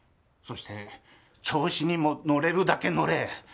そして調子にものれるだけのれ！